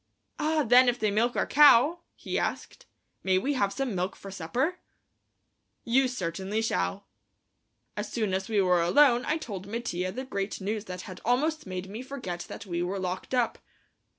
"Ah, then if they milk our cow," he asked, "may we have some milk for supper?" "You certainly shall!" As soon as we were alone I told Mattia the great news that had almost made me forget that we were locked up.